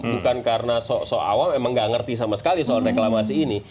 bukan karena sok sok awam emang nggak ngerti sama sekali soal reklamasi ini